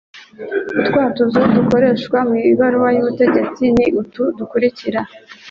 utwatuzo dukoreshwa mu ibaruwa y'ubutegetsi ni utu dukurikira